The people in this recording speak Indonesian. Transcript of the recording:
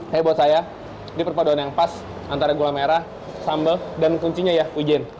hei buat saya ini perpaduan yang pas antara gula merah sambal dan kuncinya ya ujen